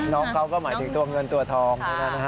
น้องเขาก็หมายถึงตัวเงินตัวทอง